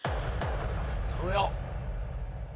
頼むよ。